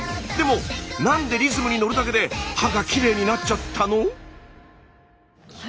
でもなんでリズムに乗るだけで歯がきれいになっちゃったの？